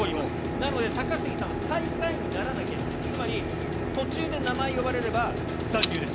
なので、高杉さんは最下位にならなければ、つまり、途中で名前呼ばれれば残留です。